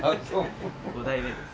５代目です。